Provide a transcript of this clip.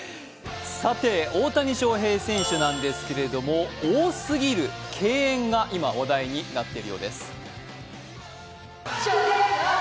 大谷翔平選手なんですけれども、多すぎる敬遠が今、話題になっているようです。